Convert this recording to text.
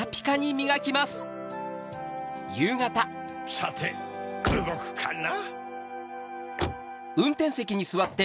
さてうごくかな？